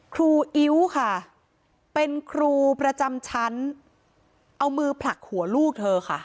อิ๊วค่ะเป็นครูประจำชั้นเอามือผลักหัวลูกเธอค่ะ